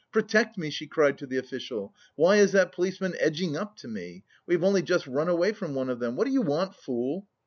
Protect me," she cried to the official. "Why is that policeman edging up to me? We have only just run away from one of them. What do you want, fool?"